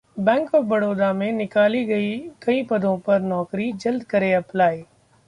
bank of Baroda में निकली कई पदों पर नौकरी, जल्द करें अप्लाई